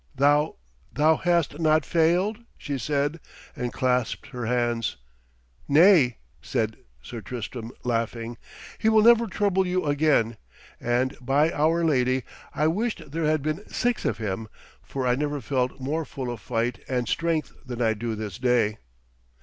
'Thou thou hast not failed?' she said, and clasped her hands. 'Nay,' said Sir Tristram, laughing. 'He will never trouble you again. And, by Our Lady, I wished there had been six of him, for I never felt more full of fight and strength than I do this day.'